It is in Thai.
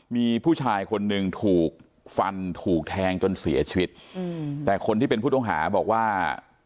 มีผู้ชายคนหนึ่งถูกฟันถูกแทงจนเสียชีวิตอืมแต่คนที่เป็นผู้ต้องหาบอกว่า